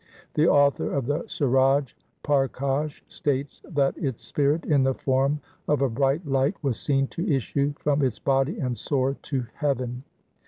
The author of the Suraj Parkash states that its spirit in the form of a bright light was seen to issue from its body and soar to heaven.